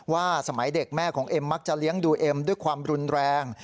สมัยเด็กแม่ของเอ็มมักจะเลี้ยงดูเอ็มด้วยความรุนแรง